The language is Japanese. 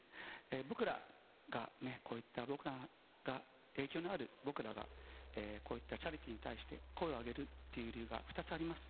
僕らが、こういった僕らが影響のある僕らが、こういったチャリティーに対して声を上げるという理由が２つあります。